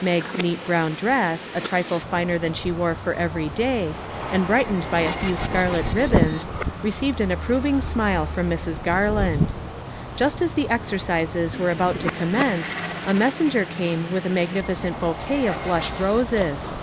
Mag's neat brown dress, a trifle finer than she wore for every day, and brightened by a few scarlet rib bons, received an approving smile from Mrs. Garland. Just as the exercises were about to commence, a messenger came with a magnifi cent bouquet of blush roses.